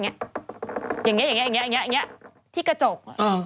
อย่างนี้ที่กระจก